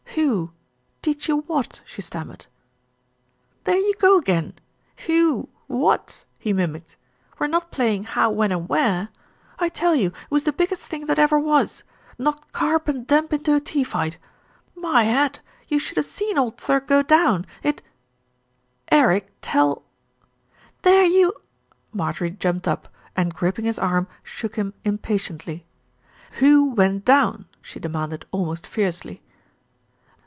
"Who? Teach you what?" she stammered. "There you go again. 'Who What?' " he mim icked. "We're not playing 'How, When and Where.' I tell you it was the biggest thing that ever was. Knocked Carp and Demp into a tea fight. My hat! You should have seen old Thirk go down. It " "Eric, tell" "There you" Marjorie jumped up and, gripping his arm, shook him impatiently. "Who went down?" she demanded, almost fiercely.